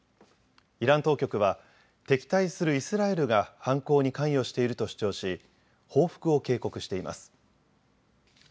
イラン当局は敵対するイスラエルが犯行に関与していると主張し報復を警告しています。